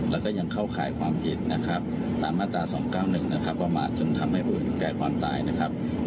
และทางผู้เสียหายนะครับ